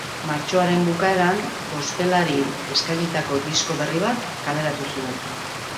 Martxoaren bukaeran, gospelari eskainitako disko berri bat kaleratu zuen.